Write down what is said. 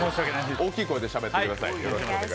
大きい声でしゃべってください。